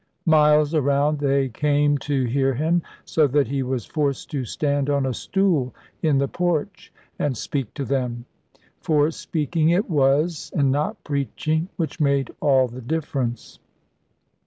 Miles around they came to hear him, so that he was forced to stand on a stool in the porch, and speak to them. For speaking it was, and not preaching; which made all the difference.